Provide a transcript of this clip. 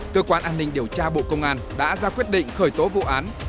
cơ quan an ninh điều tra bộ công an đã ra quyết định khởi tố vụ án